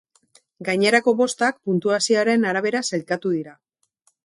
Gainerako bostak puntuazinoaren arabera sailkatu dira.